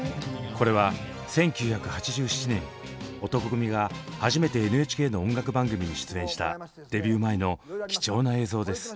これは１９８７年男闘呼組が初めてＮＨＫの音楽番組に出演したデビュー前の貴重な映像です。